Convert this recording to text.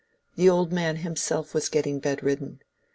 The old man himself was getting bedridden.